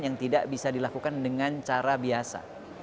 yang tidak bisa dilakukan dengan cara biasa